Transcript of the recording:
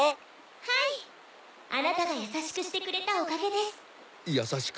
・はい・・あなたがやさしくしてくれたおかげです・やさしく？